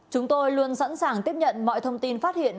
chúng tôi luôn sẵn sàng tiếp nhận mọi thông tin phát hiện